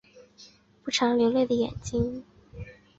不常流泪的眼睛